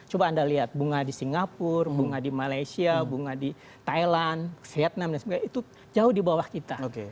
coba anda lihat bunga di singapura bunga di malaysia bunga di thailand vietnam dan sebagainya itu jauh di bawah kita